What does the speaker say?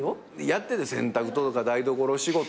やってた洗濯とか台所仕事も。